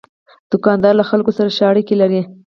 دوکاندار له خلکو سره ښې اړیکې لري.